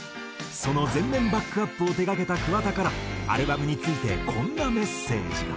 その全面バックアップを手がけた桑田からアルバムについてこんなメッセージが。